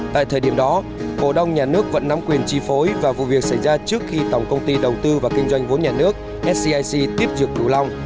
tại thời điểm đó cổ đồng nhà nước vẫn nắm quyền chi phối vào vụ việc xảy ra trước khi tổng công ty đồng tư và kinh doanh vốn nhà nước tiếp dược cửu long